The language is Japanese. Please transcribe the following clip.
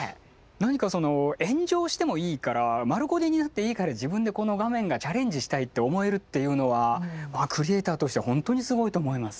何かその炎上してもいいから丸焦げになっていいから自分でこの画面がチャレンジしたいって思えるっていうのはクリエーターとしてほんとにすごいと思いますね。